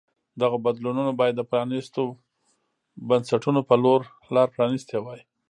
دغو بدلونونو باید د پرانیستو بنسټونو په لور لار پرانیستې وای.